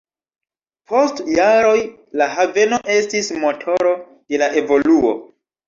Post jaroj la haveno estis motoro de la evoluo.